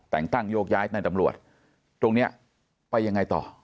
แต่งตั้งโยกย้ายในตำรวจตรงนี้ไปยังไงต่อ